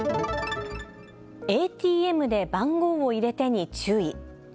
ＡＴＭで番号を入れてに注意。